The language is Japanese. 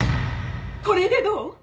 これでどう？